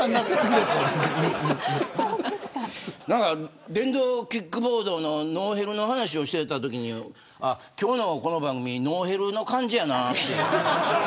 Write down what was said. だから電動キックボードのノーヘルの話をしてたときにあっ、今日のこの番組ノーヘルの感じやなと思って。